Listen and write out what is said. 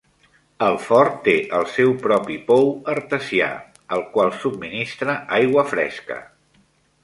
El fort té el seu propi pou artesià, el qual subministra aigua fresca.